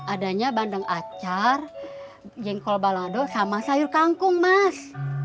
adanya bandeng acar jengkol balado sama sayur kangkung mas